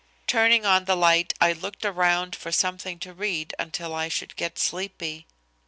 Turning on the light, I looked around for something to read until I should get sleepy.